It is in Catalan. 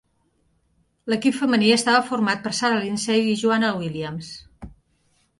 L'equip femení estava format per Sarah Lindsay i Joanna Williams.